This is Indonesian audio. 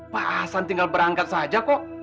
pak hasan tinggal berangkat saja kok